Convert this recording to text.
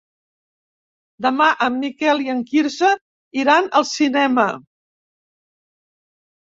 Demà en Miquel i en Quirze iran al cinema.